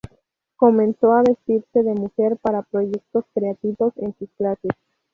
Comenzó a vestirse de mujer para proyectos creativos en sus clases.